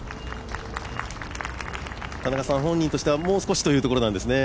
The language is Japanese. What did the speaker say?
田中さん、本人としてはもう少しというところですね。